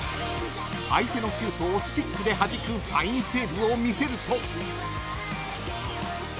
［相手のシュートをスティックではじくファインセーブを見せると］